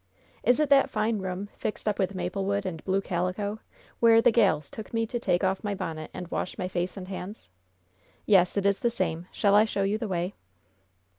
"Is it that fine room fixed up with maple wood and blue calico, where the gals took me to take off my bonnet and wash my face and hands?" "Yes, it is the same. Shall I show you the way?"